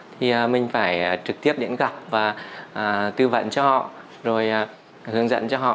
thì mình phải trực tiếp đến gặp và tư vấn cho họ rồi hướng dẫn cho họ